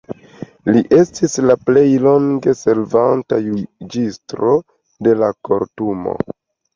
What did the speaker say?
Li estis la plej longe servanta juĝisto de la Kortumo.